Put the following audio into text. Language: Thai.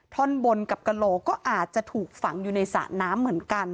ท่อนบนกับกระโหลก็อาจจะถูกฝังอยู่ในสระน้ำเหมือนกัน